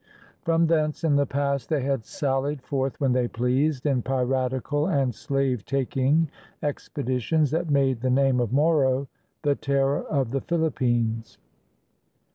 From thence in the past they had sallied forth when they pleased, in piratical and slave taking expeditions that made the name of Moro the terror of the Philippines.